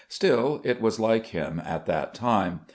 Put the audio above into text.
Still, it was like him at that time.